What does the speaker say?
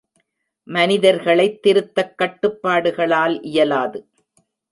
மனிதர்களைத் திருத்தக் கட்டுப்பாடுகளால் இயலாது.